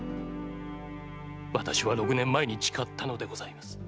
私は六年前に誓ったのでございます。